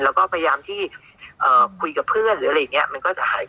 แล้วก็พยายามที่คุยกับเพื่อนหรืออะไรอย่างเงี้ย